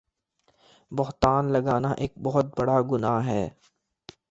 بہتان لگانا ایک بہت بڑا گناہ ہے